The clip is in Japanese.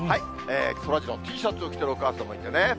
そらジローＴシャツを着ているお母さんもいてね。